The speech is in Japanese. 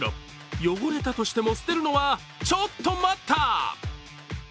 汚れたとしても捨てるのは、ちょっと待った！